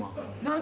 何？